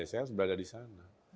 saya harus berada di sana